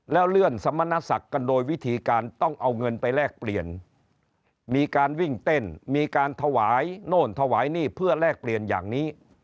แล้วเลื่อนสมณศักดิ์กันโดยวิธีการต้องเอาเงินไปแลกเปลี่ยนมีการวิ่งเต้นมีการถวายโน่นถวายนี่เพื่อแลกเปลี่ยนอย่างนี้